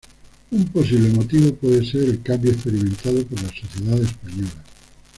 Un posible motivo puede ser el cambio experimentado por la sociedad española.